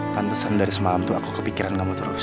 pantesan dari semalam tuh aku kepikiran kamu terus